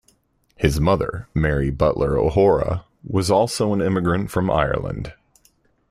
His mother, Mary Butler O'Hora, was also an immigrant from Ireland.